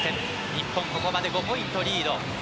日本、ここまで５ポイントリード。